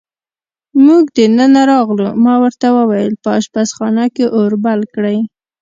موږ دننه راغلو، ما ورته وویل: په اشپزخانه کې اور بل کړئ.